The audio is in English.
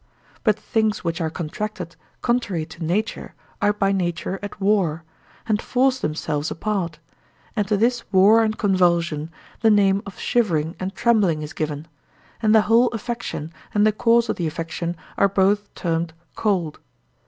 But things which are contracted contrary to nature are by nature at war, and force themselves apart; and to this war and convulsion the name of shivering and trembling is given; and the whole affection and the cause of the affection are both termed cold.